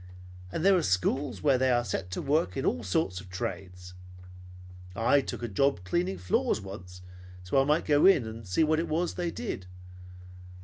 And there are schools where they are set to work at all sorts of trades. I took a job cleaning floors once so that I might go in and see what it was they did.